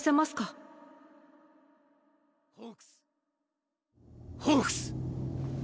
現在ホークスホークス！